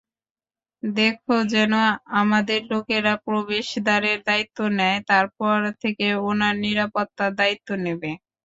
দেখো যেন আমাদের লোকেরা প্রবেশদ্বারের দায়িত্ব নেয়, তারপর থেকে ওনার নিরাপত্তা দায়িত্ব নেবে।